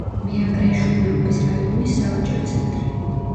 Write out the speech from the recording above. მეაბრეშუმეობის რაიონის სავაჭრო ცენტრი.